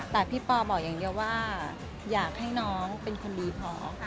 แต่พี่ปอบอกอย่างเดียวว่าอยากให้น้องเป็นคนดีพอ